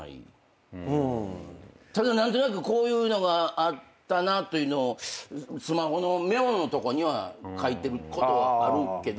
ただ何となくこういうのがあったなというのをスマホのメモのとこには書いてることはあるけど。